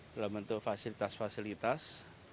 dalam bentuk fasilitas fasilitas